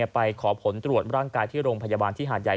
ไปขอผลตรวจร่างกายที่โรงพยาบาลที่หาดใหญ่